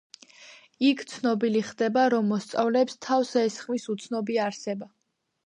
იქ ცნობილი ხდება, რომ მოსწავლეებს თავს ესხმის უცნობი არსება.